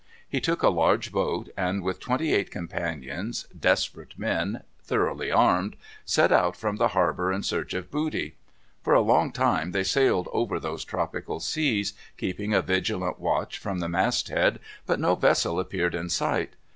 He took a large boat, and with twenty eight companions, desperate men, thoroughly armed, set out from the harbor in search of booty. For a long time they sailed over those tropical seas, keeping a vigilant watch from the mast head, but no vessel appeared in sight.